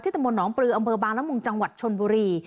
ที่ตะโมนน้องปลืออำเบอร์บางรัฐมงจังหวัดชนบุรี